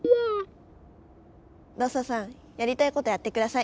ロッソさんやりたいことやって下さい。